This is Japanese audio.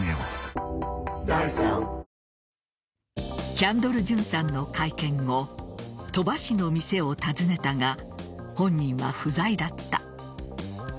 キャンドル・ジュンさんの会見後鳥羽氏の店を訪ねたが本人は不在だった。